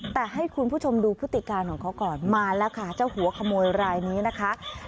แต่ให้คุณผู้ชมดูพฤติการของเขาก่อนมาแล้วค่ะเจ้าหัวขโมยรายนี้นะคะ